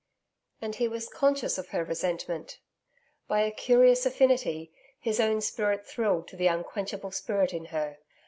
And he was conscious of her resentment. By a curious affinity, his own spirit thrilled to the unquenchable spirit in her.